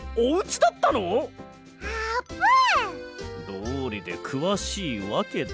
どうりでくわしいわけだ。